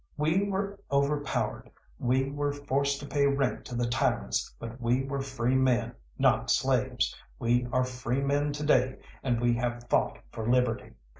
We were overpowered, we were forced to pay rent to the tyrants, but we were free men, not slaves; we are free men to day, and we have fought for liberty.